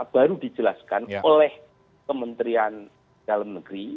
baru dijelaskan oleh kementerian dalam negeri